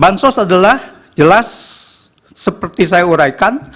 bansos adalah jelas seperti saya uraikan